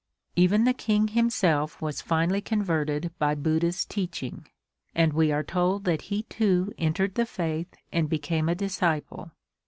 Even the King himself was finally converted by Buddha's teaching, and we are told that he too entered the faith and became a disciple.